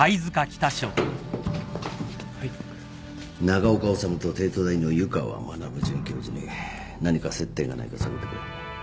長岡修と帝都大の湯川学准教授に何か接点がないか探ってくれ。